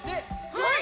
はい！